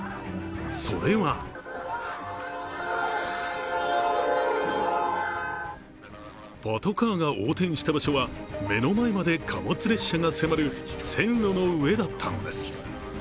それはパトカーが横転した場所は目の前まで貨物列車が迫る線路の上だったのです。